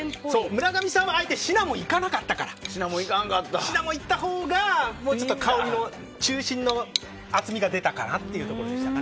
村上さんはあえてシナモンいかなかったからシナモンいったほうが香りの中心に厚みが出たかなという感じです。